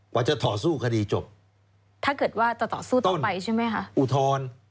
กว่าจะต่อสู้คดีจบถ้าเกิดว่าจะต่อสู้ต่อไปใช่ไหมคะอุทธรณ์